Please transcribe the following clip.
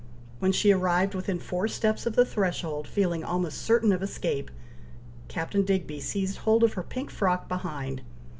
when she arrived within four steps of the threshold, feeling almost certain of escape, Captain Digby seized hold of her pink frock behind.